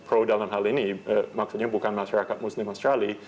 pro dalam hal ini maksudnya bukan masyarakat muslim australia